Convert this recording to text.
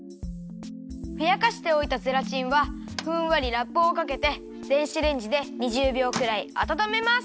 ふやかしておいたゼラチンはふんわりラップをかけて電子レンジで２０びょうぐらいあたためます。